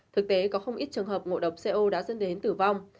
thực tế có không ít trường hợp ngộ độc co đã dẫn đến tử vong